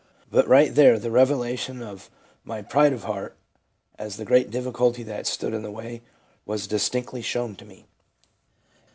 But right there the revelation of my pride of heart, as the great difficulty that stood in the way, was distinctly shown to me.